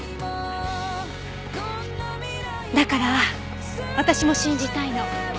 だから私も信じたいの。